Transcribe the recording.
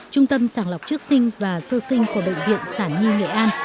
trung tâm sàng lọc trước sinh và sơ sinh của bệnh viện sản nhi nghệ an